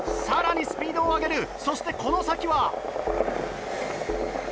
さらにスピードを上げるそしてこの先は。